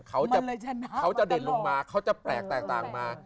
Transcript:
เขาจะเด่นลงมาเขาจะแปลกแตกต่างมา